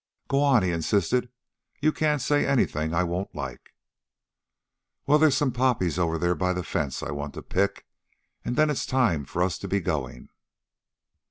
"Go on," he insisted. "You can't say anything I won't like." "Well, there's some poppies over there by the fence I want to pick. And then it's time for us to be going."